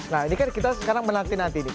nah ini kan kita sekarang menanti nanti nih